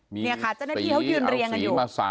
นี่ค่ะเจ้าหน้าที่เขายืนเรียงกันอยู่